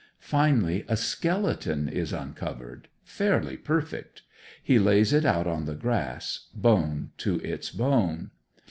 Finally a skeleton is uncovered, fairly perfect. He lays it out on the grass, bone to its bone.